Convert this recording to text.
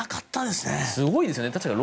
すごいですよね。